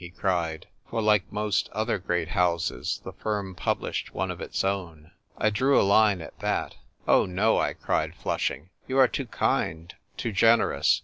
he cried ; for, like most other great houses, the firm published one of its own. I drew a line at that. " Oh, no," I cried, flushing. "You are too kind, too generous.